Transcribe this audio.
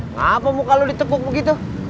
ngapain muka lo ditepuk begitu